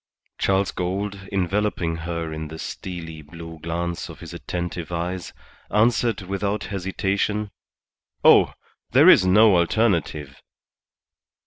Charles Gould, enveloping her in the steely blue glance of his attentive eyes, answered without hesitation "Oh, there is no alternative."